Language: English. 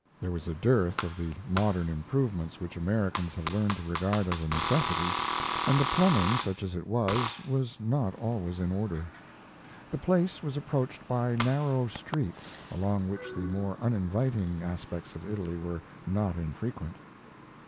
There was a dearth of the modern improvements which Americans have learned to regard as a necessity, and the plumbing, such as it was, was not always in order. The place was approached by narrow streets, along which the more uninviting aspects of Italy were not infrequent.